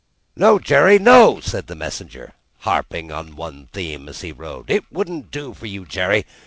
"No, Jerry, no!" said the messenger, harping on one theme as he rode. "It wouldn't do for you, Jerry.